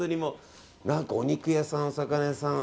お肉屋さん、お魚屋さん